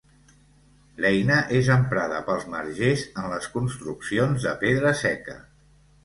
L'eina és emprada pels margers en les construccions de pedra seca.